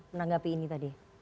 menanggapi ini tadi